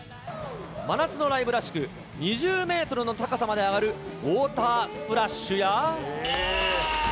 真夏のライブらしく、２０メートルの高さまで上がるウォータースプラッシュや。